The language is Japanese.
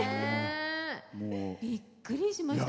びっくりしました。